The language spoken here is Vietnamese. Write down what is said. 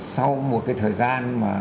sau một cái thời gian